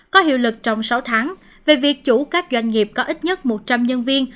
có hiệu lực trong sáu tháng về việc chủ các doanh nghiệp có ít nhất một trăm linh nhân viên